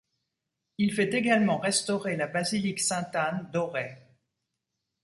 Il fait également restaurer la basilique Sainte-Anne d'Auray.